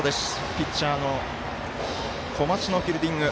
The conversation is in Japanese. ピッチャーの小松のフィールディング。